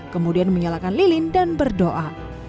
kemudian menyalakan lilin dan berdoa